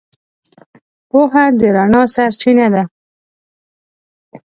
پوهه د رڼا سرچینه ده.